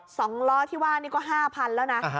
สองล้อที่ว่านี่ก็ห้าพันแล้วนะ